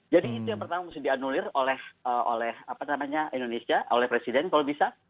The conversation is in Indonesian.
jadi itu yang pertama harus dianulir oleh indonesia oleh presiden kalau bisa